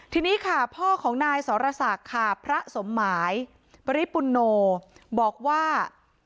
ทีนี้ค่ะพ่อของนายสรศักดิ์ค่ะพระสมหมายปริปุณโนบอกว่า